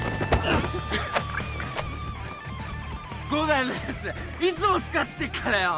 伍代のやついつもスカしてっからよ